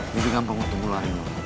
ini gak bakal menunggu lo hari ini